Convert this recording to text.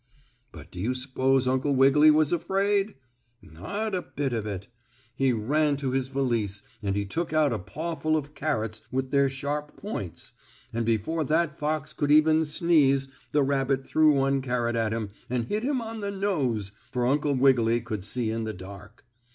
But do you s'pose Uncle Wiggily was afraid? Not a bit of it. He ran to his valise and he took out a pawful of carrots with their sharp points, and before that fox could even sneeze the rabbit threw one carrot at him and hit him on the nose, for Uncle Wiggily could see in the dark.